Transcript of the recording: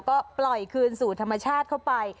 ก็ปล่อยคืนสู่ธรรมชาติเข้าไป